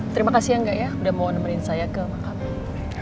terima kasih ya enggak ya udah mau nemenin saya ke mahkamah